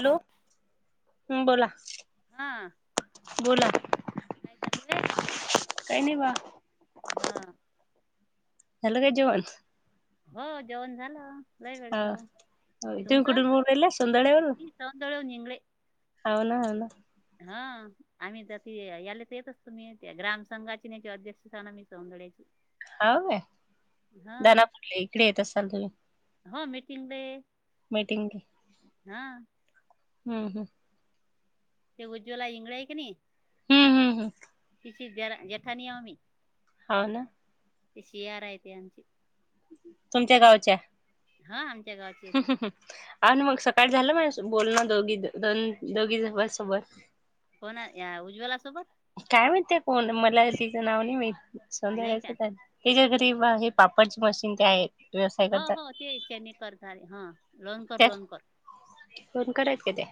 Hello ह बोला हा काय चालू काय चालू आहे काय नाही बा हा झालं काय जेवण हो जेवण झालं लय हा वेळचं इथ कुड तुमचं मल सुंदळ्यावरर ती सौंदळवून इंगळे अन ह ना हा आम्ही तर त यालाच येत असतो मी ग्राम संघाची अध्यक्षना मी स [inaudible] हा दनापुरले इकडे येत असाल तुम्ही हो मिटिंगले मीटिंग हा हम्म हम्म ते उज्वला इंगळे आहे की नाही हम्म हम्म हम् जरा जेठा निम्ही हा ना ते शिआरऐते आची तुमच्या गावच्या. हा आम हम् अ मग सकाळी झालं म बोल ना दोघी द दोघी ज सव कोण या उज्वला सोबत काय माितते कोण मला सीच नाव नाही मा नाही संध्याळच का त्याच्या घरी हे पापडची मशीन ते आहेत व्यवसाय हो हो करतात ते [inaudible] करतालेे हा लोन कर त्यात लोन कर फोन करायत का ते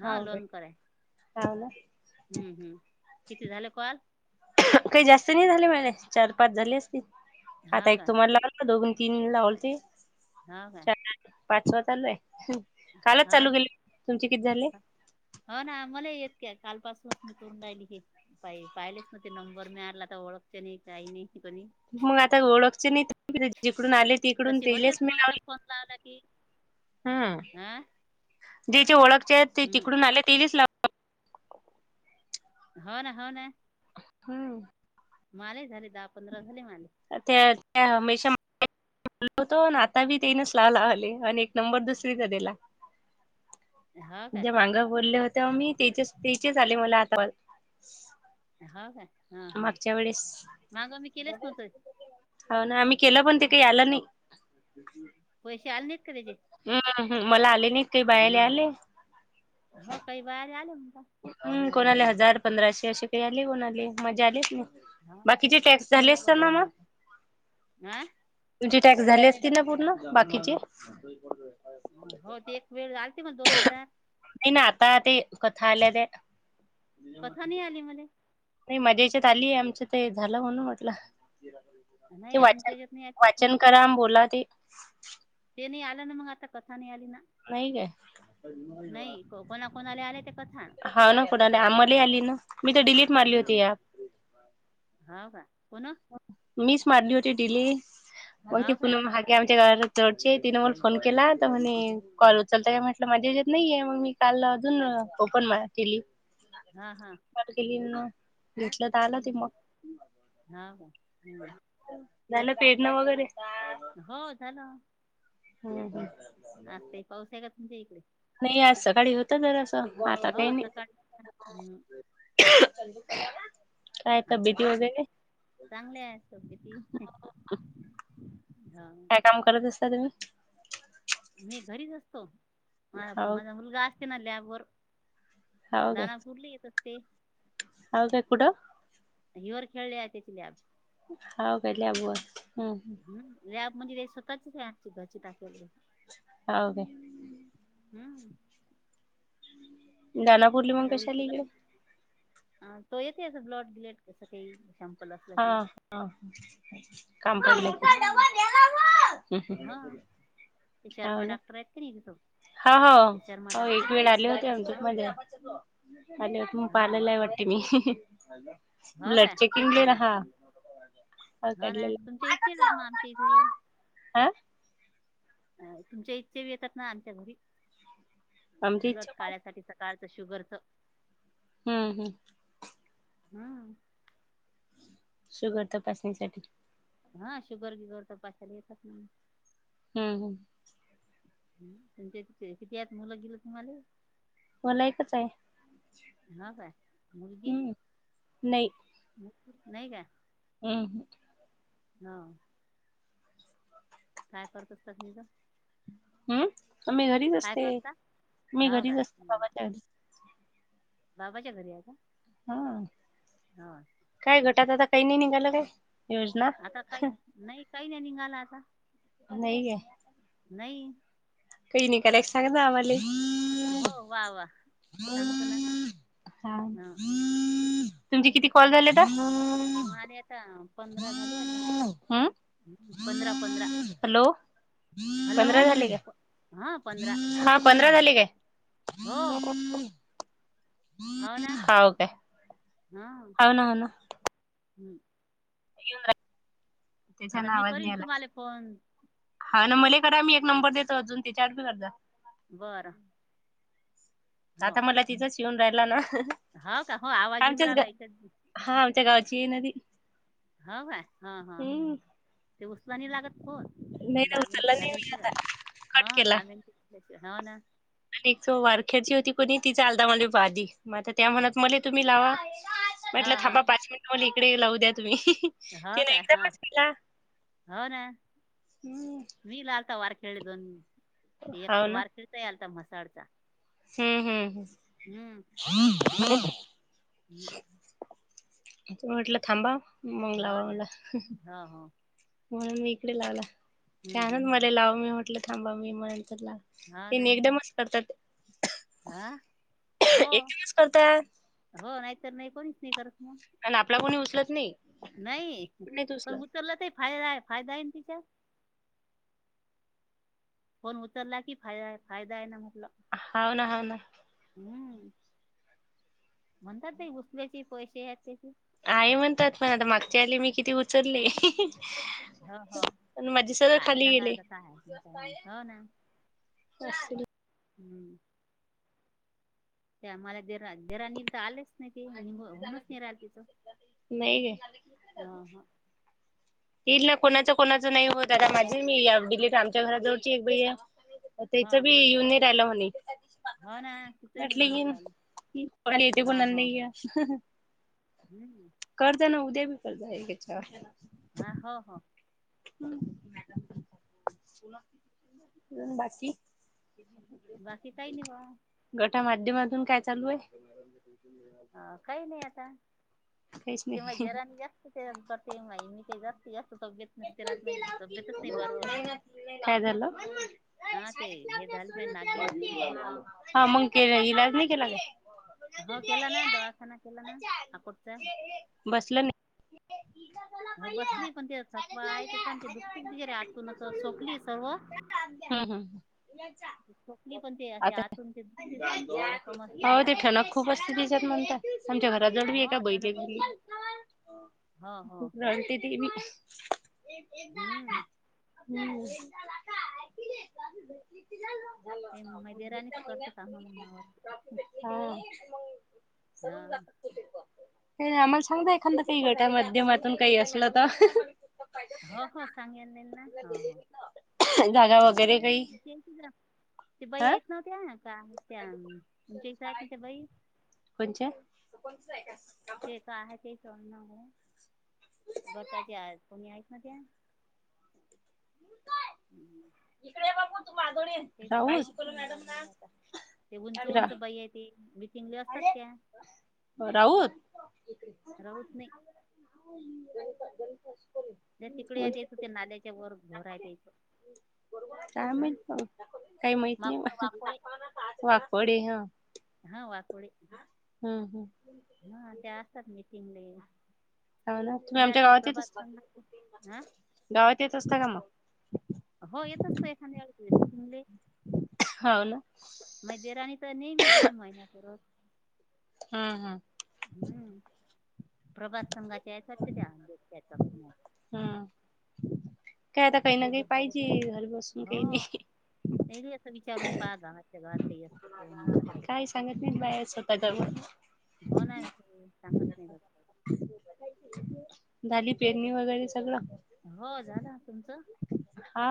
हा लोन करे हव ना हम्म हम्म किती झाले कॉल काही जास्त नाही झाले मला चार पाच झाले असतील आता हा एक का तुम्हाला लावला दोघन तीन लावोलते ह का पाचवा चालू आहे कालच हा चालू ना केेले तुमचे किती झाले हो ना मला येत काय कालपासूनच मी करून राहिली हे पा पाहिलेच ना ते नंबर मिळाला तर ओळखच नाही काही नाही कोणी मग आता ओळखचे नाही जिकडून आले तिकडून तसे होतेच तेलेच मी मग आता फोन लावला की हम्म हा ज्याचे ओळखचे आहेत ते हम्म तिकडून आले तेच लाग हो ना हो ना हम्म माले झाले दहा पंधरा झाले माले ह ह मेशा बतो आता बी तेनच लावला आले आणि एक नंबर दुसरीच दिला हो काय ज्या मांगा बोलले होते मी त्याचेच त्याचेच आले मला आता हा का हा हा मागच्या वेळेस. माग मी केलेच नव्हत हो ना आम्ही केलं पण ते काही आलं नाही पैसे आललेत का त्याचेे ह मला आले नाही ते बायर आले हो काही वर आले म्हणता कोणा आले हजार पंधराशे असे काही आले कोणा आले मजा आलीच नाही हा बाकीचे टॅक्स फक्त झाले मला अस पैसे- ना मग हा टॅक्स झाले असती ना पूर्ण बाकीची हो ते एक वेळ झालते मग दोन हजार नाही ना आता ते कथा आल्या ते कथा नि आली मला नाही मज्या याच्यात आलीय आमचं ते झालं म्हणून म्हटलं नाही ते आमच्या वाचन याच्यात नाही आहेत कथा वाचन करा बोला ते ते नाही आला ना मग आता कथा नाही आली ना नाहीय ग नाही कोणा कोणाला आले ते कथा हा ना कोणाला आम्हाला आली ना मी तर डिलीट मारली हा होती ऍप हो का पुन्हा मीच मारली होती डिलट मग हो का त [inaudible] [inaudible] आमच्या घर जवडचे आहे तिनं मला फोन केला तर म्हणे कॉल उचलता का म्हटलं माझ्या हत नाहीये मग मी काल अजून ओपन केली हा हा केली भेटलं तर आलं ते मग हा का् झाला पेडण वगैरे हो झाला हो ह आता पाऊस आहे का तुमच्या इकडे नाही आज सकाळी होत जरा अस हो सकाळी हम् चुक ना आता चांगले आहेत सबगती काय काम करत असता तुम्ही मी घरीच असतो हाव माझा मुलगा असते ना लॅब वर दाना कुरलीय तसे अ काकुड हिर खेळले आहे त्याची लॅब हा गले बू लॅबमध्ये काय स्वतःच [inaudible] [inaudible] हम्म दानापूर्लीउन कशाला आली [inaudible] अ तो येते अस ब्लॉट ग्लट कस काही असला हा की हा काम कर हा हा ते शर्मा डाॅक्टर आहेत की नाही तो हो हो हो एक वेळ आले होते ना. [inaudible] आले होते म पा हा आलेलाय वाटते मी हो का ब्लड तेच चेकिंग दिला मग हा ना तुमच्या इच्छा आहेत ना आमची [inaudible] हा अ तुमच्या इच्छ ब येतात ना आमच्या घरी आमची उलट इच्छा काळसाठी सकाळ शुगर तर हम्म हम्म हम्म शुगर तपासणीसाठी हा शुगर किगर तर पाशाला येतात नाही हम्म हम्म तुमच्या किती आत मुलं गेलं तुम्हाला मला एकच आहे का मुलगी हम् नाही मुलगी? नाही का हम् हम हा काय करतस तस नि तर हम्म मी घरीच असते मी हो घरीच असते बाबा त्यावे बाबा गर या का हा हो काय घटात आता काही नाही निघालं काय योजना आता काही नाही काही नाही निघाला आता नाही ग नाही काही नाही का सता मले हो वा वा सांगतो ना हा ह तुमचे किती कॉल झालेता माले आता पंधरा झाली वाटते पंधरा पंधरा हॅलो हॅलो पंधरा झाले हा पंधरा का पंधरा झाले काय हो ह हो ना ह का हा होनन हम्म येन आता त्याच्यानं मी आवाज नाही करील येणार तुम्हाला फोन हा ना मला करा मी एक नंबर देतो अजून ते चार बी करज बारा आता मला तिथच येऊन राहिला ना हो का हो आवाज येऊन आमच्याच राहिला याच्यात हा आ च्याकाची नदी ह काय हा हा हम्म ते उसतनी लागत हो नाही ना दहा उचलला मिनिट नाही मी आता झाल्याशिवाय हा कट केला दहा मिनट झाल्याशिवाय ह ना आणि एक वारख्याची होती कोणी तिचा अलधमाल पाध मग त्या म्हणत म तुम्ही लावा म्हटलं हा हा थांबा पाच मिनट म्ह इकडे लावू द्या तुम्ही हो तिन काय हा एकदमच केला हो ना मी लालता वार खेळले दोन एक ते वार खेळता आलता मस्त चढचा हम् हम् ह् हम्म हम्म. त म्हटलं थांबा मग हो लावा ना मला हो हो म्हणून मी इकडे लावला हम्म हम्म त्यानच मला लाव मी होटलं थांबा मी म्हंतर लाव हा ते ना एकदमच करतात हा हो एकदमच करतात हो नाहीतर नाही कोणीच नाही करत मग आणि आपला कोणी उचलत नाही नाही नाहीत पण उचलत उतरलं तही फायदा आहे फायदा आहे ना तिचा फोन उतरला की फा फायदा आहे ना मुकला ह ना ह ना हम्म म्हणतात ते घुसल्याचे पैसे आहेत त्याचे आहे म्हणतात पण आता मागच्या आले मी किती उचलले हो हो पण माझे सरळ काय खाली सांगा गेले. आता काय हो ना स हम्म ते मला देरानील तर आलेच नाही ते निघ होऊनच नाही राहिलं तिचं नाही हो हो त ना कोणाच कोणाचं नाही होत आता माझी मी [inaudible] आमच्या घरात जवळची एक बाई आहे हो त्याच बी येन राहिला होणे हो ना तिथंही नाही म्हटले येऊन राहिलं क येते हो कोणा हो नाही हम्म करते ना उद्या [inaudible] एकच्या हा हो हो बाकी बाकी काही नाही बा गटा माध्यमातून काय चालू आहे? अ काही नाही आता. काहीच ते मा नाही जरानी जास्त ते करते मा म काही जास्त [unintelligible] तब्येत नसते राहत नाही तब्येतच नाही बरोबर काय झाल? हा ते हे झाली माय नागिन हा मग, के इलाज नाही केला ग? हो केला ना, दवाखाना केला ना, हाकोटचा बसलं ह, बसली पण ते थकवा आहे, ते सांधे दुखतेच वगैरे आतून सोपली सर्व नाही चकली पण ते असे आता आतून ते दुसतेच ते जपम असते हो ते म्हणतात आत ठणक [unintelligible] खूप असते तिच्यात म्हणता आमच्या घरापासून जळ म ए का बैठ हो हो [unintelligible] राणते ते मी [unintelligible] हम्म दाकादाका [unintelligible] ते मैदेरानेच करते कामा म मावत [unintelligible] हा. हा. हे आम्हाला सांगत एखादा काही, गटा माध्यमातून काही असलं तर. हो, हो, [unintelligible] सांगे न ना हो हो जागा वगैरे काही ह ते ते बाई हा येत नव्हत्या [unintelligible] का त्या म्हणच्या इ आहेत नात बाई [unintelligible] कोणाच्या? जे का आहे ते गटाचे, कोणी आहेत ना त्या? हम्म. इकडे ये बाबू ते सवनाच नाही आता ते उंच रा उंच बाई आहे त [unintelligible] राऊत राऊत नाही. ज तिकडे आहेत यायच ते नाल्याच्या वर भर आहेत यायचं [unintelligible] काय माहित मग, काही माहित नाही माकोळ मला वाकोळे वापडे ह. हा वाकोडे. हम्म हा ते असतात मीटिंगले. ह ना तुम्ही आमच्या गावात येत असता, हा गावात येत असता का मग? हो येत असते [unintelligible] एखाद्या वेळी मी चिनले हो ना महिनाभरात हम्, हम् हम्म प्रभात संघाच्या या वाटत त्यां पु हम्म [unintelligible] काय आता काही नवी पाहिजे, घरी बसून काही हो नाही. नाही असं विचारून पाहात जा, आमचा गावात काही अस का म्हणून आल तसं का काय सांगत नाही बाहेर स्वतः कर म्हणून हो ना, सांगत नाही ब झाली पेरणी वगैरे सगळं हो झाल, तुमचं? हा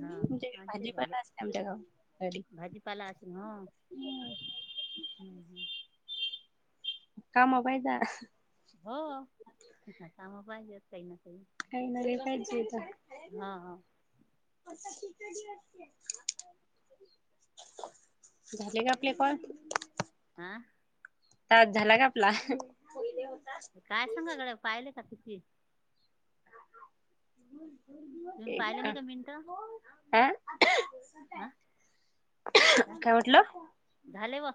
हा आमचे झाले पाला अस्तोय आमचा गावात. घरी. भाजीपाला अस न, ह हम् हम्म कामा पायदा [unintelligible] हो कामा पाहिजे, काही ना काही काही ना रे पायच आहेेत [unintelligible] हा, हा तिते [unintelligible] झाले का आपले कॉल? आह. तास झाला का आपला? काय सांगा गड पाहिले का तिती हम् तुम् पाहिलं नाही का मिनटं आह हा काय म्हटलं झाले व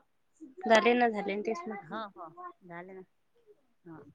झाले ना झाले तेच हा हो म्हटलं झाले ना हा